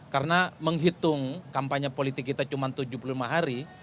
karena menghitung kampanye politik kita cuma tujuh puluh lima hari